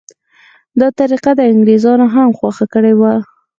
دا طریقه انګریزانو هم خوښه کړې وه.